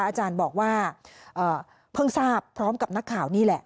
อาจารย์บอกว่าเพิ่งทราบพร้อมกับนักข่าวนี่แหละ